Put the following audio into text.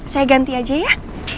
saya ganti aja ya